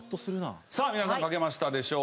さあ皆さん書けましたでしょうか？